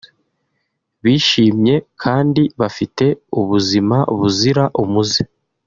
bishimye kandi bafite ubuzima buzira umuze